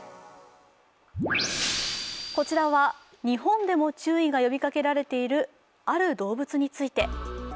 こちらは日本でも注意が呼びかけられているある動物について。